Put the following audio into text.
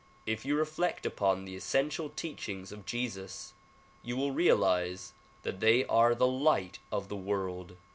If you reflect upon the essential teachings of Jesus you will realize that they are the light of the world.